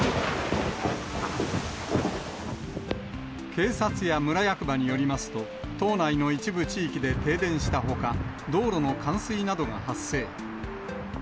警察や村役場によりますと、島内の一部地域で停電したほか、道路の冠水などが発生。